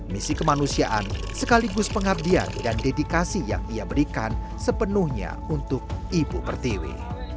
misi kemanusiaan sekaligus pengabdian dan dedikasi yang ia berikan sepenuhnya untuk ibu pertiwi